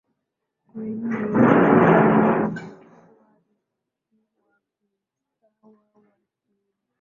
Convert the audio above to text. Kwa hiyo Serikali ilikuwa ikiwa usawa wakulima